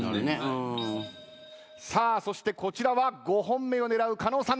さあそしてこちらは５本目を狙う加納さんだ。